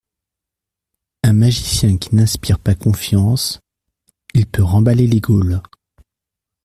Un magicien qui n’inspire pas confiance, il peut remballer les gaules